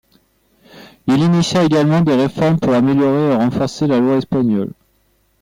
Il initia également des réformes pour améliorer et renforcer la loi espagnole.